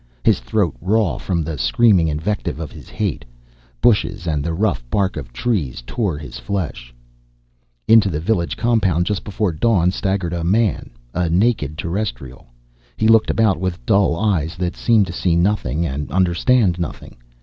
His throat raw from the screaming invective of his hate. Bushes and the rough bark of trees tore his flesh. Into the village compound just before dawn, staggered a man, a naked terrestrial. He looked about with dull eyes that seemed to see nothing and understand nothing.